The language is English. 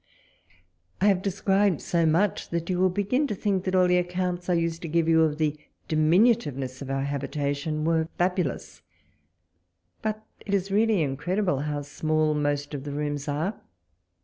I have described so much, that j'ou will begin to think that all the accounts I used to give you of the diminutiveness of our habitation were fabulous ; but it is really incredible how small most of the rooms are.